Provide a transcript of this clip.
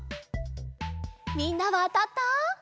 みんなはあたった？